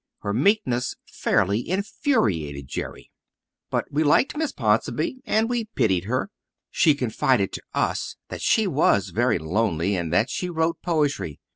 Her meekness fairly infuriated Jerry. But we liked Miss Ponsonby and we pitied her. She confided to us that she was very lonely and that she wrote poetry.